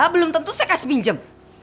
belum tentu saya kasih pinjam